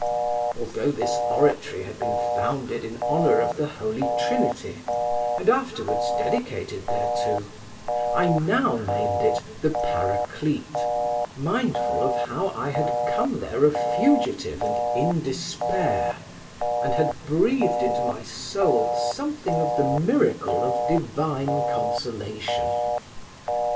Although this oratory had been founded in honour of the Holy Trinity, and afterwards dedicated thereto, I now named it the Paraclete, mindful of how I had come there a fugitive and in despair, and had breathed into my soul something of the miracle of divine consolation.